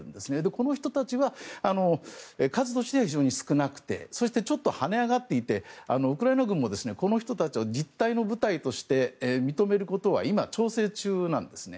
この人たちは数としては非常に少なくてそしてちょっとはね上がっていてウクライナ軍もこの人たちを実体の部隊として認めることは今、調整中なんですね。